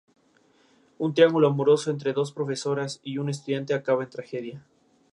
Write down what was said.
Los miembros del movimiento reciben el nombre de "Allah Five-Percenters".